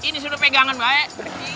ini sudah pegangan baik